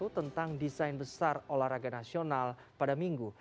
tentang desain besar olahraga nasional pada minggu